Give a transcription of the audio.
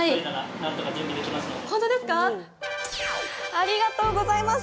ありがとうございます！